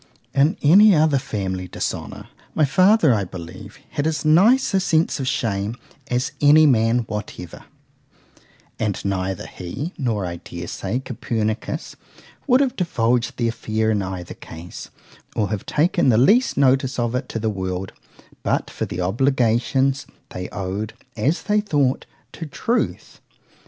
In any other family dishonour, my father, I believe, had as nice a sense of shame as any man whatever;——and neither he, nor, I dare say, Copernicus, would have divulged the affair in either case, or have taken the least notice of it to the world, but for the obligations they owed, as they thought, to truth.